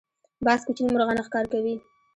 باز کوچني مرغان ښکار کوي